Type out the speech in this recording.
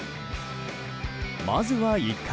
まずは、１回。